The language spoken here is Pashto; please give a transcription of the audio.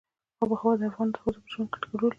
آب وهوا د افغان ښځو په ژوند کې رول لري.